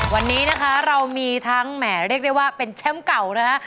วันนี้นะคะเรามีทั้งแหมเรียกได้ว่าเป็นแชมป์เก่านะฮะ